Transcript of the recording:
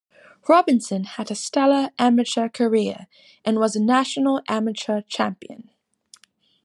Robinson had a stellar amateur career and was a national amateur champion.